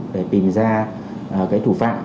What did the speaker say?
để tìm ra cái thủ phạm